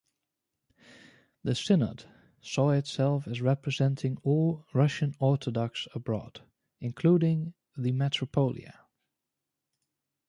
The Synod saw itself as representing all Russian Orthodox abroad, including the Metropolia.